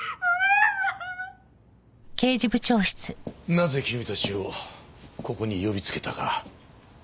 なぜ君たちをここに呼びつけたかわかるな？